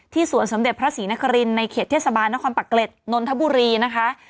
สวนสมเด็จพระศรีนครินในเขตเทศบาลนครปักเกร็ดนนทบุรีนะคะ